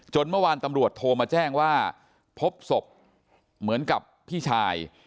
เมื่อวานตำรวจโทรมาแจ้งว่าพบศพเหมือนกับพี่ชาย